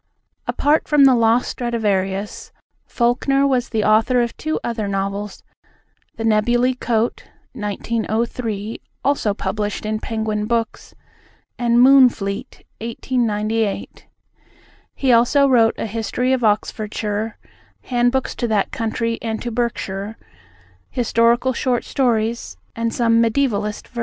Apart from The Lost Stradivarius, Falkner was the author of two other novels, The Nebuly Coat (1903 also published in Penguin Books) and Moonfleet (1898). He also wrote a History of Oxfordshire, handbooks to that county and to Berkshire, historical short stories, and some mediævalist verse.